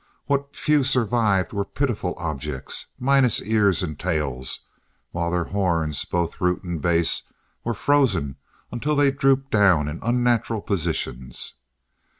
What few survived were pitiful objects, minus ears and tails, while their horns, both root and base, were frozen until they drooped down in unnatural positions.